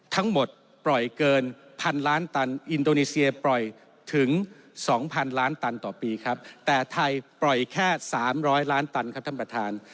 ทั้งหมดปล่อยเกินพันล้านตันอินโดนีเซียปล่อยถึง๒๐๐๐ล้านตันต่อปีครับแต่ไทยปล่อยแค่๓๐๐ล้านตันครับท่านประธาน